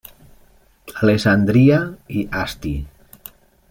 Alessandria i Asti.